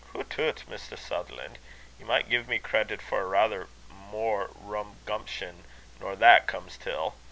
"Hootoot, Mr. Sutherlan', ye micht gie me credit for raither mair rumgumption nor that comes till.